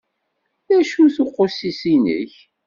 D acu-t uqusis-inek?